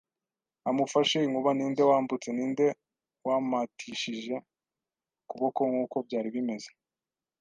amufashe, inkuba! Ninde wambutse? Ninde wampatishije ukuboko, nk'uko byari bimeze